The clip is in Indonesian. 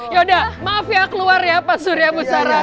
yaudah maaf ya keluar ya pasurya ibu sarah